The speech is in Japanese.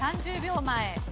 ３０秒前。